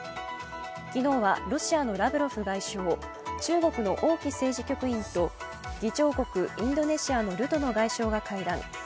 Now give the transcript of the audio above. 昨日はロシアのラブロフ外相、中国の王毅政治局員と議長国・インドネシアのルトノ外相が会談。